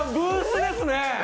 ブースですね！